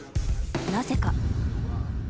なぜか。